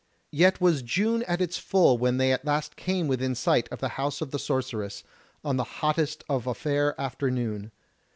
Yet was June at its full when at last they came within sight of the House of the Sorceress, on the hottest of a fair afternoon.